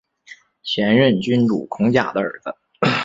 前任君主孔甲的儿子。